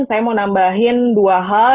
saya mau nambahin dua hal